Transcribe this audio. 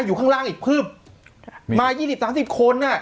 อยู่ข้างล่างอีกพึบมา๒๐๓๐คน